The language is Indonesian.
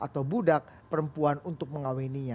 dan budak perempuan untuk mengawininya